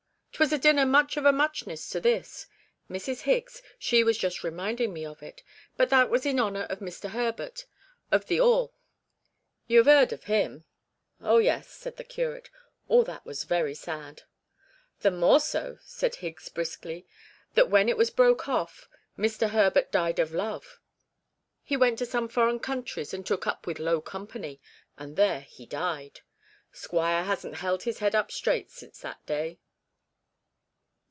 ''Twas a dinner much of a muchness to this. Mrs. Higgs, she was just reminding me of it. But that was in honour of Mr. Herbert, of the 'All. You'll 'ave heard of him?' 'Oh, yes,' said the curate, 'all that was very sad.' 'The more so,' said Higgs briskly, 'that when it was broke hoff, Mr. Herbert died of love. He went to some foreign countries and took up with low company, and there he died. Squire hasn't held his head up straight since that day.'